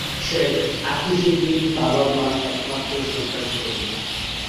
শেখ আকিজউদ্দীন বাবা-মার একমাত্র সন্তান ছিলেন।